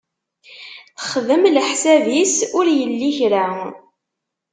Texdem leḥsab-is ur yelli kra.